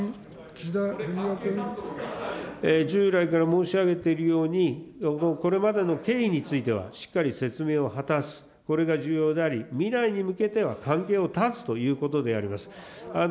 従来から申し上げているように、これまでの経緯についてはしっかり説明を果たす、これが重要であり、未来に向けては関係を断つということであります。